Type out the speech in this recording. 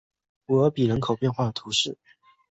古尔比人口变化图示